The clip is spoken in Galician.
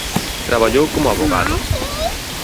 Traballou como avogado.